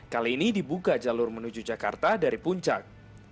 kali ini dibuka jalur menuju jakarta dari puncak